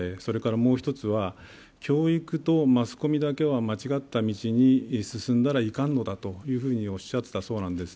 もう一つは、教育とマスコミだけは間違った道に進んだらいかんのだとおっしゃったそうなんです。